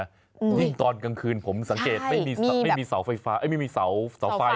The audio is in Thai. ยิ่งตอนกลางคืนผมสังเกตไม่มีเสาไฟฟ้าไม่มีเสาไฟ